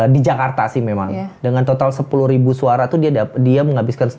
di jakarta sih memang dengan total sepuluh ribu suara tuh dia menghabiskan dua lima m